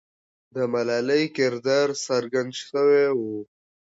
د ملالۍ کردار څرګند سوی وو.